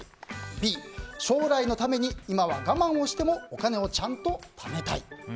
Ｂ、将来のために今は我慢をしてもお金をちゃんとためたい。